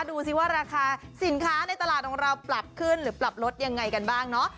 ดูสิว่าราคาสินค้าในตลาดของเราปรับขึ้นหรือปรับลดยังไงกันบ้างเนาะ